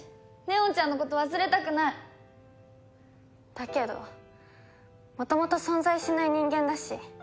だけど元々存在しない人間だし。